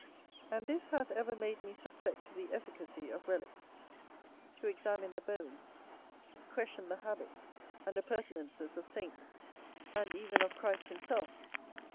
And this hath ever made me suspect the efficacy of relicks, to examine the bones, question the habits and appertenances of saints, and even of Christ himself.